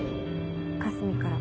かすみから。